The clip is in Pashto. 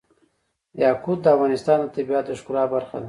یاقوت د افغانستان د طبیعت د ښکلا برخه ده.